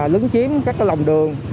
lứng chiếm các lòng đường